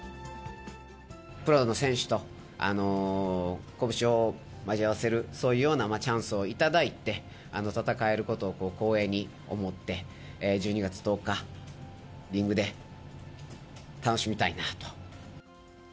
プロの選手と拳をまじ合わせるそういうようなチャンスを頂いて、戦えることを光栄に思って、１２月１０日、リングで楽しみたいなと。